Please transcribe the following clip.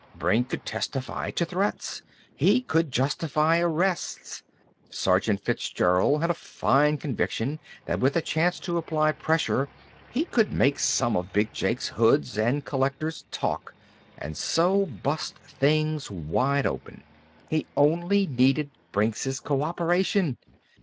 Brink could testify to threats. He could justify arrests. Sergeant Fitzgerald had a fine conviction that with a chance to apply pressure, he could make some of Big Jake's hoods and collectors talk, and so bust things wide open. He only needed Brink's co operation.